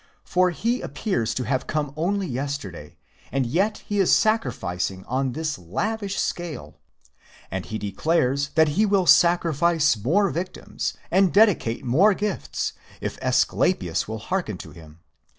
For he appears to have come only yesterday, and yet he is sacrific _ ing on this lavish scale. And he declares that he will sacrifice more victims, and dedicate more gifts, if Asclepius will hearken to him.